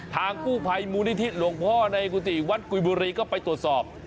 ทางกู้ภัยมูลนิธิหลวงพ่อในกุฏิวัดกุยบุรีก็ไปตรวจสอบ